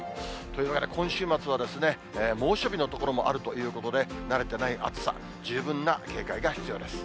というわけで、今週末は猛暑日の所もあるということで、慣れてない暑さ、十分な警戒が必要です。